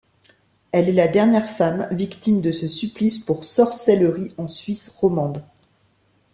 Elle est la dernière femme victime de ce supplice pour sorcellerie en Suisse romande.